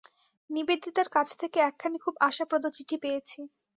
নিবেদিতার কাছ থেকে একখানি খুব আশাপ্রদ চিঠি পেয়েছি।